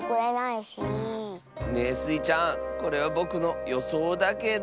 ねえスイちゃんこれはぼくのよそうだけど。